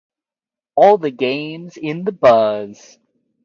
All the games in the Buzz!